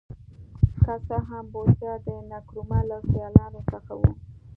که څه هم بوسیا د نکرومه له سیالانو څخه و.